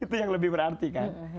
itu yang lebih berarti kan